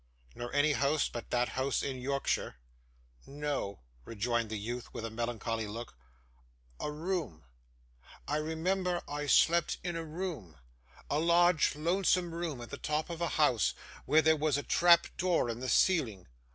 'Nor any house but that house in Yorkshire?' 'No,' rejoined the youth, with a melancholy look; 'a room I remember I slept in a room, a large lonesome room at the top of a house, where there was a trap door in the ceiling.